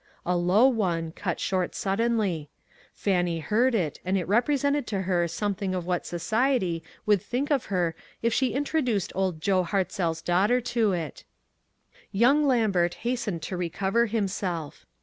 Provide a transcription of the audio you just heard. A low one, cut short THINGS HARD TO EXPLAIN. 73 suddenly ; Fannie heard it, and it repre sented to her something of what society would think of her if she had introduced Old Joe Harwell's daughter to it. Young Lambert hastened to recover him self.